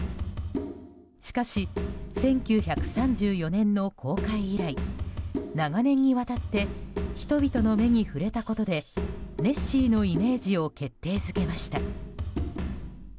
しかし、１９３４年の公開以来長年にわたって人々の目に触れたことでネッシーのイメージを決定づけました。